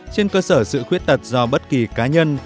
trên cơ sở sự khuyết tật do bất kỳ cá nhân